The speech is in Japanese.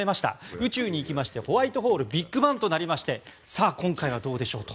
宇宙に行きましてホワイトホールビッグバンとなりまして今回はどうでしょうと。